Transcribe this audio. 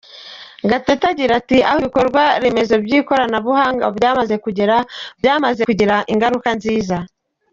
Gatete agira ati ”Aho ibikorwa remezo by’ikorabuhanga byamaze kugera byamaze kugira ingaruka nziza.